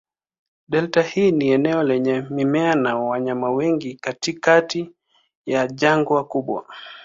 Delta hii ni eneo lenye mimea na wanyama wengi katikati ya jangwa kubwa.